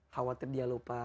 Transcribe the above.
khawatir dia lupa